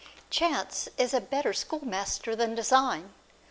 Chance is a better schoolmaster than design.